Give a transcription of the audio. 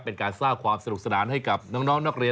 เป็นการสร้างความสนุกสนานให้กับน้องนักเรียน